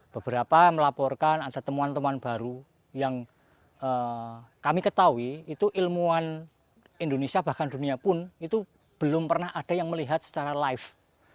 beberapa melaporkan ada temuan temuan baru yang kami ketahui itu ilmuwan indonesia bahkan dunia pun itu belum pernah ada yang melihat secara live